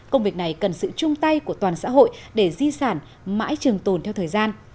công việc này cần sự chung tay của toàn xã hội để di sản mãi trường tồn theo thời gian